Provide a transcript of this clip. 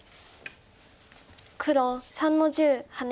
黒３の十ハネ。